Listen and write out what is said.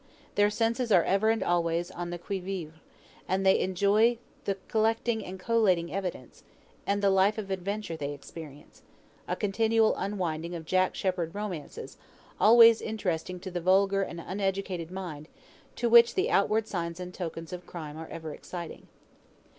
Their senses are ever and always on the qui vive, and they enjoy the collecting and collating evidence, and the life of adventure they experience: a continual unwinding of Jack Sheppard romances, always interesting to the vulgar and uneducated mind, to which the outward signs and tokens of crime are ever exciting.